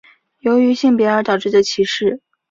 由于性别而导致的歧视。